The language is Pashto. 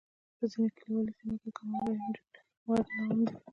په ځینو کلیوالي سیمو کې د کم عمره نجونو ودونه عام دي.